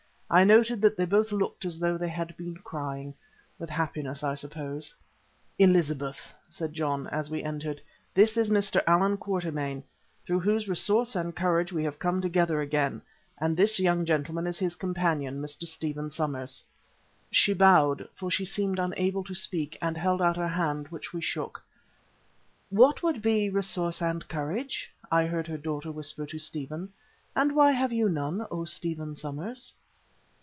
I noted that they both looked as though they had been crying with happiness, I suppose. "Elizabeth," said John as we entered, "this is Mr. Allan Quatermain, through whose resource and courage we have come together again, and this young gentleman is his companion, Mr. Stephen Somers." She bowed, for she seemed unable to speak, and held out her hand, which we shook. "What be 'resource and courage'?" I heard her daughter whisper to Stephen, "and why have you none, O Stephen Somers?"